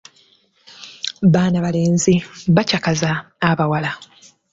Baana balenzi bacakaza abawala.